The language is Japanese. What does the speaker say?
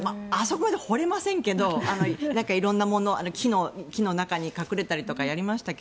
私は掘りませんけど色んなもの木の中に隠れたりとかやりましたが。